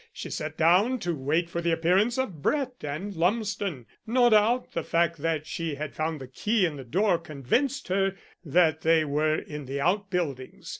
She sat down to wait for the appearance of Brett and Lumsden. No doubt the fact that she had found the key in the door convinced her that they were in the outbuildings.